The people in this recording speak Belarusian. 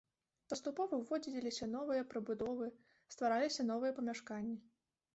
Паступова ўзводзіліся новыя прыбудовы, ствараліся новыя памяшканні.